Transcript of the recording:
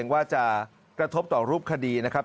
ว่าจะกระทบต่อรูปคดีนะครับ